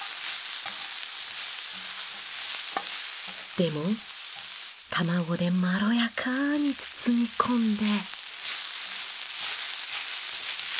でも卵でまろやかに包み込んで。